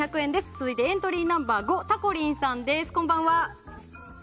続いて、エントリーナンバー５たこりんさんです。